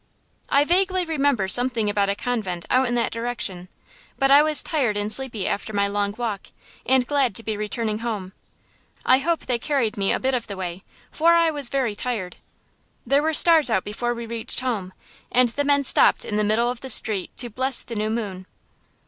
I vaguely remember something about a convent out in that direction, but I was tired and sleepy after my long walk, and glad to be returning home. I hope they carried me a bit of the way, for I was very tired. There were stars out before we reached home, and the men stopped in the middle of the street to bless the new moon.